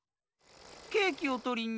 ケーキをとりに。